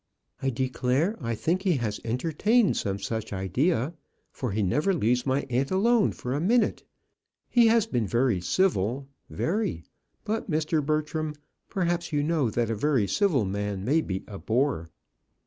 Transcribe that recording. "I declare I think he has entertained some such idea, for he never leaves my aunt alone for a minute. He has been very civil, very; but, Mr. Bertram, perhaps you know that a very civil man may be a bore."